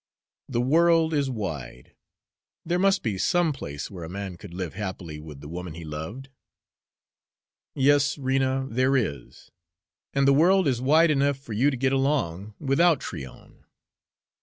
The world is wide there must be some place where a man could live happily with the woman he loved." "Yes, Rena, there is; and the world is wide enough for you to get along without Tryon."